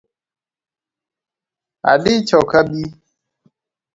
Adich ok abi